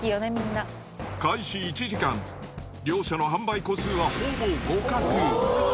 開始１時間、両者の販売個数はほぼ互角。